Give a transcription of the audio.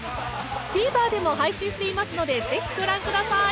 ＴＶｅｒ でも配信していますのでぜひご覧ください